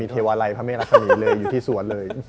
เทวาลัยพระแม่รักษมีเลยอยู่ที่สวนเลย